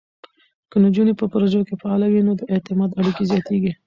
که نجونې په پروژو کې فعاله وي، نو د اعتماد اړیکې زیاتېږي.